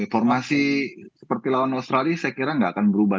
formasi seperti lawan australia saya kira nggak akan berubah